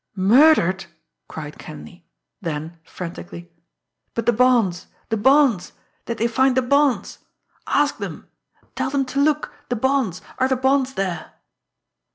"Murdered!" cried Kenleigh; then, frantically: "But the bonds, the bonds! Did they find the bonds? Ask them! Tell them to look! The bonds! Are the bonds there?"